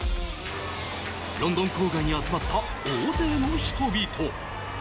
ロンドン郊外に集まった大勢の人々。